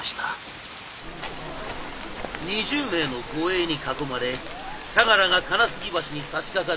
２０名の護衛に囲まれ相楽が金杉橋にさしかかる